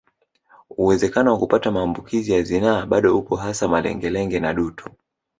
Uwezekano wa kupata maambukizi ya zinaa bado upo hasa malengelenge na dutu